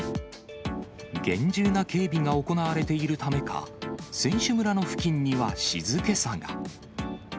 厳重な警備が行われているためか、選手村の付近には静けさが。